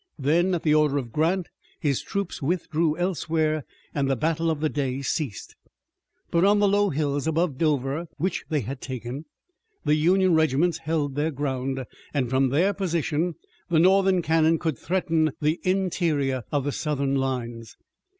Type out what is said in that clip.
Then, at the order of Grant, his troops withdrew elsewhere and the battle of the day ceased. But on the low hills above Dover, which they had taken, the Union regiments held their ground, and from their position the Northern cannon could threaten the interior of the Southern lines.